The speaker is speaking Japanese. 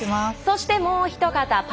そして、もうひとかた。